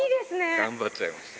頑張っちゃいました。